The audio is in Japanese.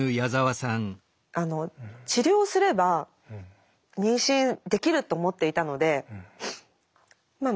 あの治療すれば妊娠できると思っていたのでまあ